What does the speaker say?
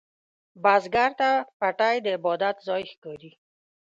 بزګر ته پټی د عبادت ځای ښکاري